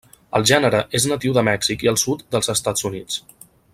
El gènere és natiu de Mèxic i el sud dels Estats Units.